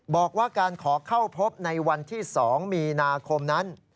บอกว่าการขอเข้าพบในวันที่๒มีนาคมนั้น